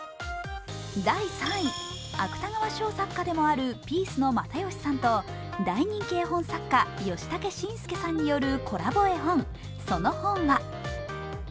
第３位、芥川賞作家でもあるピースの又吉さんと大人気絵本作家・ヨシタケシンスケさんによるコラボ絵本「その本は」。